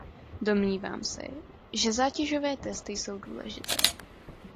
Domnívám se, že zátěžové testy jsou důležité.